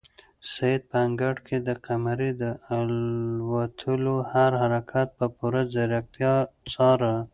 سعید په انګړ کې د قمرۍ د الوتلو هر حرکت په پوره ځیرکتیا څاره.